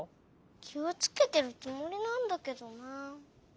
きをつけてるつもりなんだけどなあ。